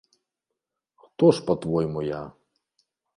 Хто ж па-твойму я?